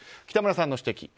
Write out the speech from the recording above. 北村さんの指摘。